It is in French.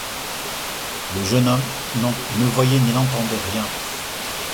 Le jeune homme ne voyait ni n’entendait rien.